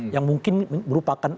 yang mungkin merupakan